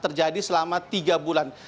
terjadi selama tiga bulan